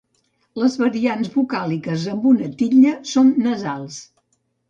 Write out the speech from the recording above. Les variants vocàliques amb una titlla són nasals.